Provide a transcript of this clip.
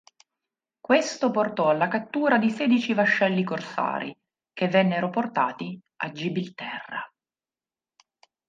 Questo portò alla cattura di sedici vascelli corsari che vennero portati a Gibilterra.